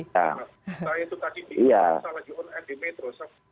saya itu tadi dikira salah di on end di metro sob